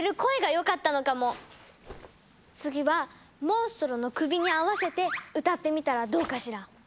次はモンストロの首に合わせて歌ってみたらどうかしら？